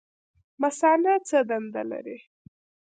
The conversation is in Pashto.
مثانه څه دنده لري؟